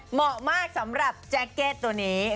เหมาะมากสำหรับแจ็คเก็ตตัวนี้